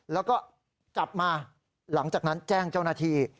แล้วก็จับมาหลังจากนั้นแจ้งเจ้าหน้าที่